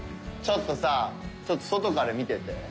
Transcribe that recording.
ちょっとさちょっと外から見てて。